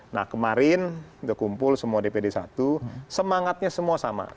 nah kemarin kita kumpul semua dpd satu semangatnya semua sama